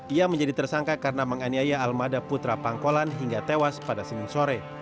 ia menjadi tersangka karena menganiaya almada putra pangkolan hingga tewas pada senin sore